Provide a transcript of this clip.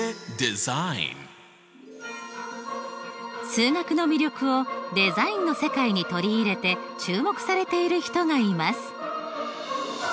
数学の魅力をデザインの世界に取り入れて注目されている人がいます。